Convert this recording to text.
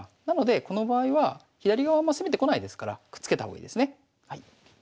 なのでこの場合は左側あんま攻めてこないですからくっつけた方がいいですね。